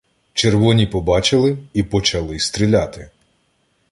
Червоні побачили і почали стріляти.